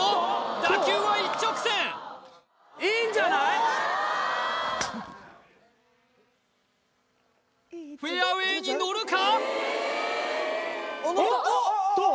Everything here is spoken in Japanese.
打球は一直線フェアウェイに乗るか？